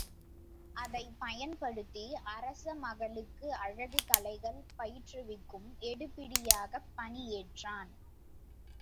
அதைப் பயன்படுத்தி அரச மகளுக்கு அழகுக் கலைகள் பயிற்றுவிக்கும் எடுபிடியாகப் பணி ஏற்றான்.